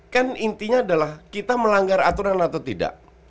kan intinya adalah kita melanggar aturan atau tidak